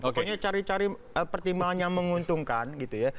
pokoknya cari cari pertimbangan yang menguntungkan gitu ya